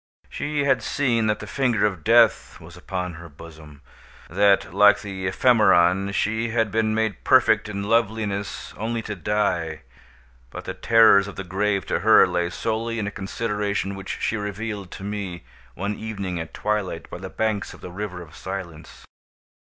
She had seen that the finger of Death was upon her bosom—that, like the ephemeron, she had been made perfect in loveliness only to die; but the terrors of the grave to her lay solely in a consideration which she revealed to me, one evening at twilight, by the banks of the River of Silence.